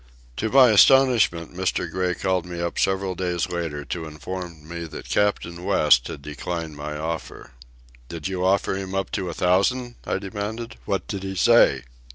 To my astonishment Mr. Gray called me up several days later to inform me that Captain West had declined my offer. "Did you offer him up to a thousand?" I demanded. "What did he say?"